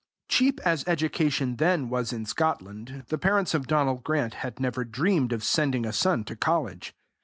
Cheap as education then was in Scotland, the parents of Donal Grant had never dreamed of sending a son to college.